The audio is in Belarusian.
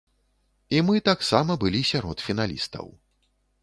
І мы таксама былі сярод фіналістаў.